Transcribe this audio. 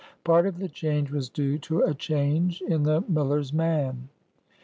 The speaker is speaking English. Part of the change was due to a change in the miller's man.